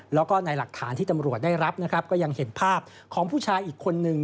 แล้วก็ในหลักฐานที่ตำรวจได้รับนะครับก็ยังเห็นภาพของผู้ชายอีกคนนึง